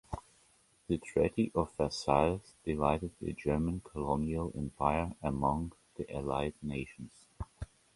The Treaty of Versailles divided the German colonial empire among the Allied nations.